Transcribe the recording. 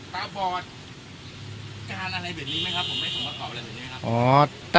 ตาบอดการอะไรแบบนี้ไหมครับผมไม่ส่งมาตอบอะไรแบบนี้ครับ